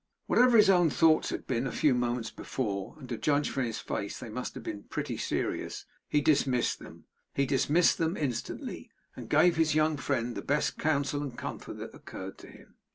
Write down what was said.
Whatever his own thoughts had been a few moments before and to judge from his face they must have been pretty serious he dismissed them instantly, and gave his young friend the best counsel and comfort that occurred to him.